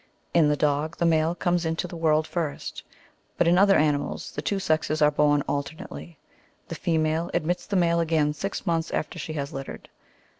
In the dog, the males come into the world first, but in other animals, the two sexes are born alternately. The female admits the male again six months after she has littered.